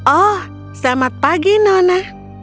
oh selamat pagi nona